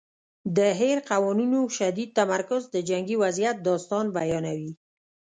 د هیر قوانینو شدید تمرکز د جنګي وضعیت داستان بیانوي.